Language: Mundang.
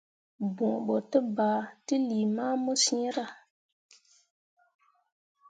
Bõo ɓo te ba teli mamu ciira.